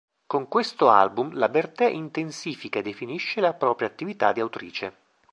Con questo album, la Bertè intensifica e definisce la propria attività di autrice.